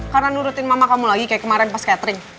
karena nurutin mama kamu lagi kayak kemarin pas catering